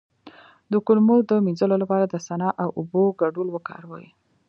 د کولمو د مینځلو لپاره د سنا او اوبو ګډول وکاروئ